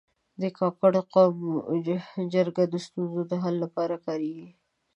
د کاکړ قومي جرګه د ستونزو د حل لپاره کارېږي.